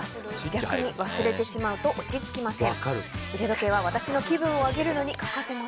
逆に忘れてしまうと落ち着きません。